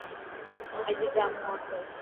اڄ ڊرامو آسي.